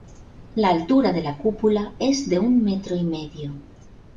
La altura de la cúpula es de un metro y medio.